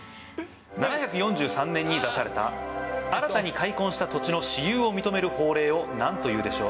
７４３年に出された新たに開墾した土地の私有を認める法令をなんというでしょう？